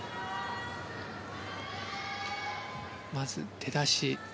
まず、出だし。